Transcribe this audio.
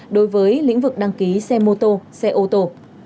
đối với lĩnh vực đăng ký xe mô tô xe ô tô